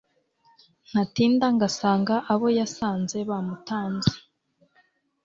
ntatinda ngasanga abo yasanze bamuntanze